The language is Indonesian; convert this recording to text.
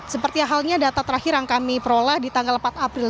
seperti halnya data terakhir yang kami peroleh di tanggal empat april